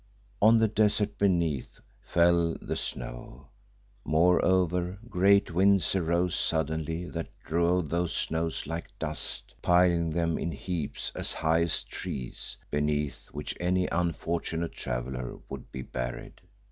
On the desert beneath fell the snow, moreover great winds arose suddenly that drove those snows like dust, piling them in heaps as high as trees, beneath which any unfortunate traveller would be buried.